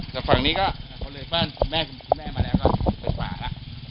แต่ฝั่งนี้ก็แม่มาแล้วก็เป็นฝ่าล่ะ